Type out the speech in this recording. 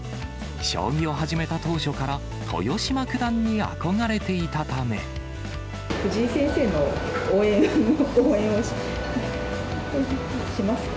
将棋を始めた当初から、藤井先生の応援をしますか？